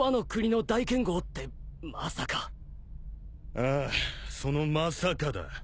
ああそのまさかだ。